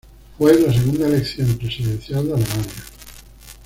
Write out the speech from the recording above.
Fue la segunda elección presidencial de Alemania.